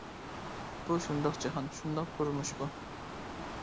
بۇ شۇنداق جاھان، شۇنداق تۇرمۇش بۇ.